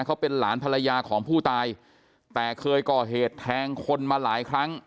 เขาเป็นหลานภรรยาของผู้ตายแต่เคยก่อเหตุแทงคนมาหลายครั้ง